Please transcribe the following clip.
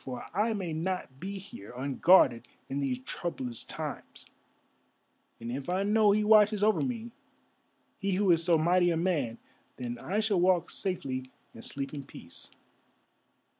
For I may not be here unguarded in these troublous times, and if I know he watches over me, he who is so mighty a man, then I shall walk safely and sleep in peace."